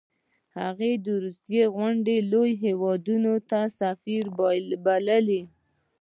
هغه د روسیې غوندې لوی هیواد سفیر باله.